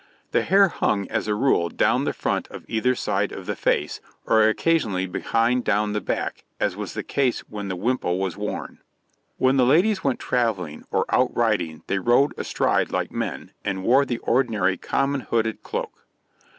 The hair hung, as a rule, down the front on either side of the face, or occasionally behind down the back, as was the case when the wimple was worn. When the ladies went travelling or out riding they rode astride like men, and wore the ordinary common hooded cloak.